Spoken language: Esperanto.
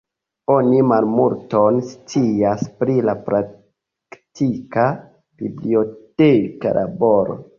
Oni malmulton scias pri la praktika biblioteka laboro.